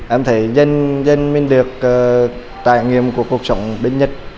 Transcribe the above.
em thấy nhân viên được trải nghiệm của cuộc sống bên nhất